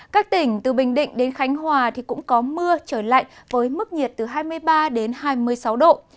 các tỉnh từ bình định đến khánh hòa cũng có mưa trở lạnh với mức nhiệt từ hai mươi ba đến hai mươi sáu độ